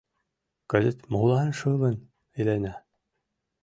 Кызыт молан шылын илена?